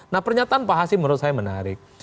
nah pernyataan pak hasim menurut saya menarik